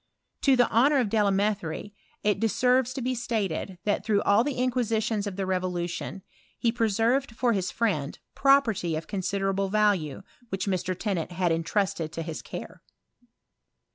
To the honour of Delame therie, it deserves to be stated, that through all the inquisitions of the revolution, he preserved for his friend property of considerable value, which Mr. Tennant had intrusted to his care.